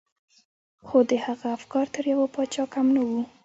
خو د هغه افکار تر يوه پاچا کم نه وو.